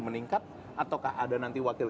meningkat ataukah ada nanti wakil